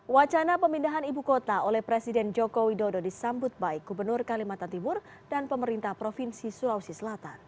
wacana pemindahan ibu kota oleh presiden joko widodo disambut baik gubernur kalimantan timur dan pemerintah provinsi sulawesi selatan